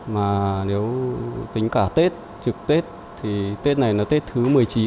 mà nếu tính cả tết trực tết thì tết này là tết thứ một mươi chín